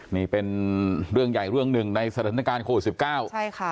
นี่เป็นเรื่องใหญ่เรื่องหนึ่งในสถานการณ์โควิด๑๙